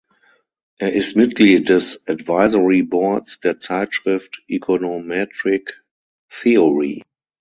Er ist Mitglied des Advisory Boards der Zeitschrift Econometric Theory.